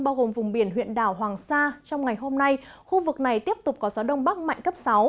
bao gồm vùng biển huyện đảo hoàng sa trong ngày hôm nay khu vực này tiếp tục có gió đông bắc mạnh cấp sáu